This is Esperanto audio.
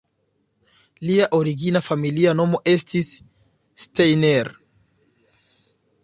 Lia origina familia nomo estis "Steiner".